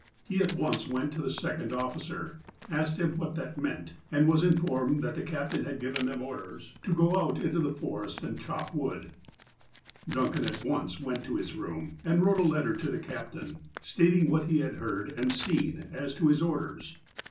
He at once went to the second officer, asked him what that meant, and was informed that the captain had given them orders to go out into the forest and chop wood. Duncan at once went to his room, and wrote a letter to the captain, stating what he had heard and seen as to his orders.